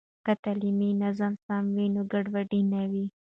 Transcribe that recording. که تعلیمي نظام سم وي، نو ګډوډي نه وي.